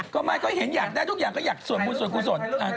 ก็เป็นเห็นอยากได้ทุกอย่างส่วนบุญส่วนครัวสน